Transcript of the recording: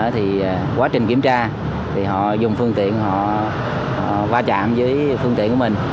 thì quá trình kiểm tra thì họ dùng phương tiện họ va chạm với phương tiện của mình